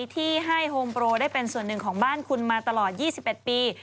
ที่ให้โฮมโปรได้เป็นส่วนหนึ่งของบ้านคุณมาตลอด๒๑ปี